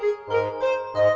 bisa dikawal di rumah ini